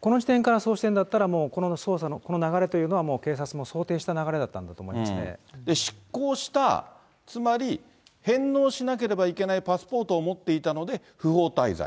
この時点からそうしてるんだったら、この捜査の流れというのはもう警察も想定した流れだったんだと思失効した、つまり返納しなければいけないパスポートを持っていたので、不法滞在。